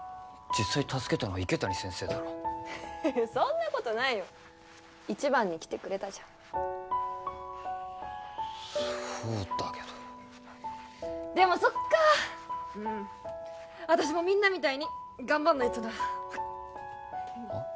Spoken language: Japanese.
実際助けたのは池谷先生だろへへっそんなことないよ一番に来てくれたじゃんそうだけどでもそっかうん私もみんなみたいに頑張んないとなファイッはあ？